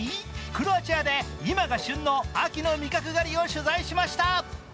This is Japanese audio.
クロアチアで今が旬の秋の味覚狩りを取材しました。